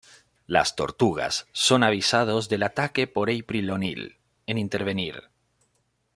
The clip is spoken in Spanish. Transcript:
Las tortugas, son avisados del ataque por April O'Neil, en intervenir.